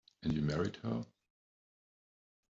And you married her.